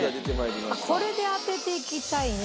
これで当てていきたいね